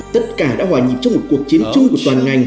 tất cả đã hòa nhịp trong một cuộc chiến chống